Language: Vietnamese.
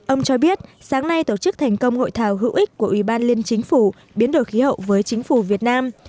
ông cho biết sáng nay tổ chức thành công hội thảo hữu ích của ủy ban liên chính phủ biến đổi khí hậu với chính phủ việt nam